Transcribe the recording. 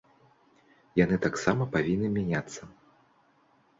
Яны таксама павінны мяняцца!